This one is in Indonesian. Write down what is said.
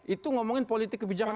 itu ngomongin politik kebijakan